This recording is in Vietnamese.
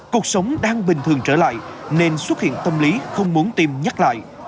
cuộc sống đang bình thường trở lại nên xuất hiện tâm lý không muốn tiêm nhắc lại